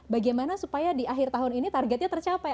bagaimana supaya di akhir tahun ini targetnya tercapai